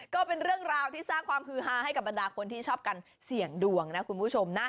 ก็เป็นเรื่องราวที่สร้างความฮือฮาให้กับบรรดาคนที่ชอบกันเสี่ยงดวงนะคุณผู้ชมนะ